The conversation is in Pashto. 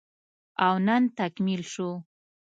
او نن تکميل شو